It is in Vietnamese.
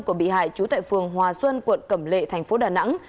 của bị hại trú tại phường hòa xuân quận cẩm lệ tp đà nẵng